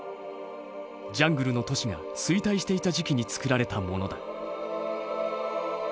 ジャングルの都市が衰退していた時期に作られたものだ。